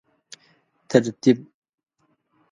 ترتیب